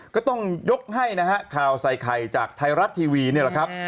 ก็ต้องยกให้นะฮะข่าวใส่ไข่จากไทยรัฐทีวีนี่แหละครับ